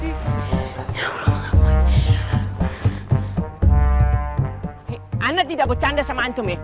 hei ana tidak bercanda sama antum ya